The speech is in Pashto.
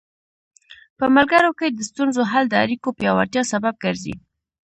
په ملګرو کې د ستونزو حل د اړیکو پیاوړتیا سبب ګرځي.